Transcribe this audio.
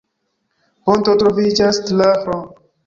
Ponto troviĝas tra Hron.